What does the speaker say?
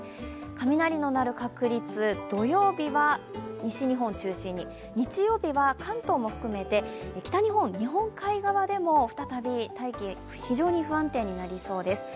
雷の鳴る確率土曜日は西日本中心に日曜日は関東も含めて北日本、日本海側でも再び大気が非常に不安定になりそうです。